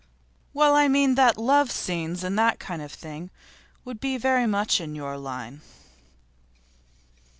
'Well, I mean that love scenes, and that kind of thing, would be very much in your line.